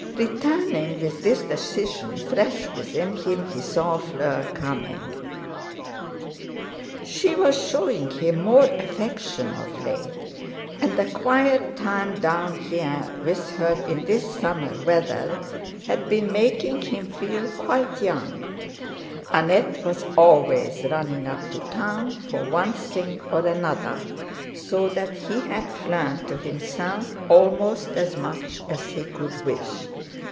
Returning with this decision fresh within him, he saw Fleur coming. She was showing him more affection of late, and the quiet time down here with her in this summer weather had been making him feel quite young; Annette was always running up to Town for one thing or another, so that he had Fleur to himself almost as much as he could wish.